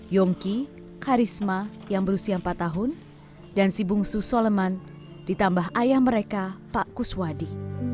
yongki karisma yang berusia empat tahun dan si bungsu soleman ditambah ayah mereka pak kuswadi